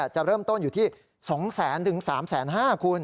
จะเริ่มต้นอยู่ที่๒๐๐๐๓๕๐๐คุณ